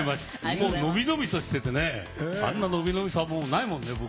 もう伸び伸びとしててね、あんな伸び伸びさ、もうないもんね、僕。